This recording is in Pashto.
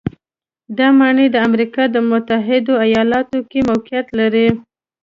دا ماڼۍ د امریکا د متحدو ایالتونو کې موقعیت لري.